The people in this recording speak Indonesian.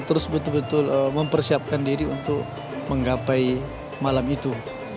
terus betul betul mempersiapkan diri untuk menggapai malam itu